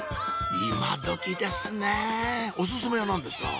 今どきですねぇお薦めは何ですか？